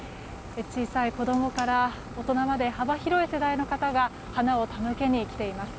小さい子供から大人まで幅広い世代の方が花を手向けに来ています。